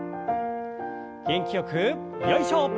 元気よくよいしょ。